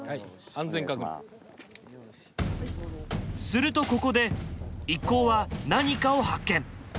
するとここで一行は何かを発見！